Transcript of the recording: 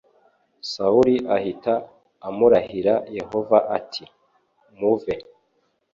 Sawuli ahita amurahira Yehova ati muze